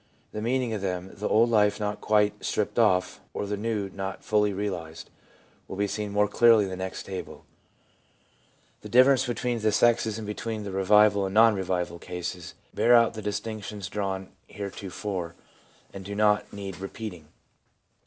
The meaning of them, the old life not quite stripped off, or the new not fully realised, will be seen more clearly in the next tabic, FEELING FOLLOWING CONVERSION 123 The differences between the sexes and between the revival and non revival cases bear out the distinctions drawn heretofore, and do not need repeating.